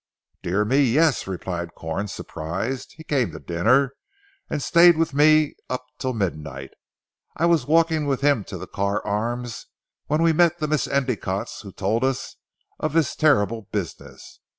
"Dear me, yes," replied Corn surprised. "He came to dinner, and stayed with me up till midnight. I was walking with him to the Carr Arms, when we met the Miss Endicottes who told us of this terrible business.